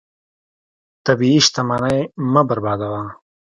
طبیعي شتمنۍ مه بربادوه.